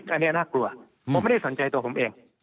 อันนี้น่ากลัวผมไม่ได้สนใจตัวผมเอง